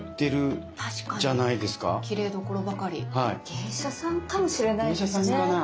芸者さんかもしれないですね。